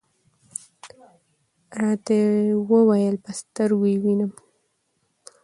راته وې ویل: په سترګو یې وینم .